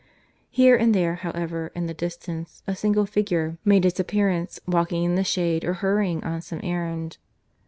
Here and there, however, in the distance a single figure made its appearance, walking in the shade or hurrying on some errand.